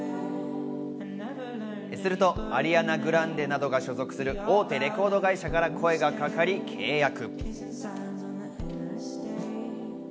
するとアリアナ・グランデなどが所属する大手レコード会社から声がかかり、契約。